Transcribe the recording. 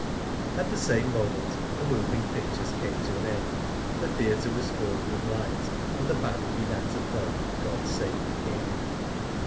At the same moment the moving pictures came to an end, the theatre was filled with light, and the band began to play, "God Save the King."